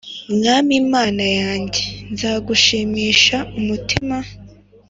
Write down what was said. Mwami mana yanjye nzagushimisha umutima